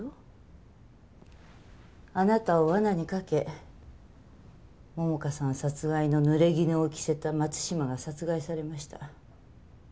あなたを罠にかけ桃花さん殺害の濡れ衣を着せた松島が殺害されました。